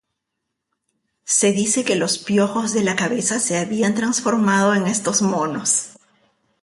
Se dice que los piojos de la cabeza se habían transformado en estos monos.